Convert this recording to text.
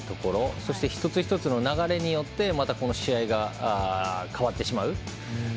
そして、一つ一つの流れによってまた試合が変わってしまう。